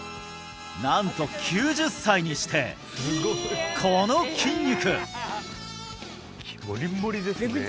なんと９０歳にしてこの筋肉！